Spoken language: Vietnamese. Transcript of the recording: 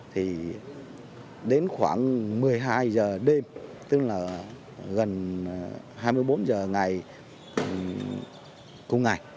thì đến khoảng một mươi hai giờ đêm tức là gần hai mươi bốn h ngày cùng ngày